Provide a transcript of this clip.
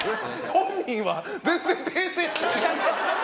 本人は全然訂正しない。